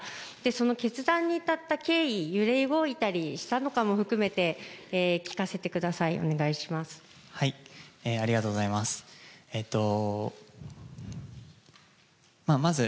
その決断に至った経緯、揺れ動いたりしたのかも含めて、聞かせてありがとうございます。